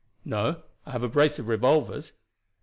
"No; I have a brace of revolvers."